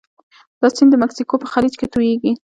دا سیند د مکسیکو په خلیج کې تویږي.